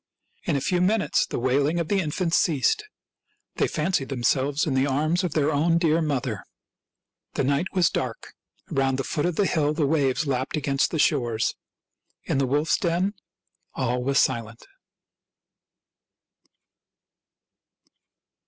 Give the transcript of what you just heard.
In a few minutes the wailing of the infants ceased ; they fancied themselves in the arms of their own dear mother. The night was dark; Around the foot of the hill the waves lapped against the shore. In the wolf's den all was silent.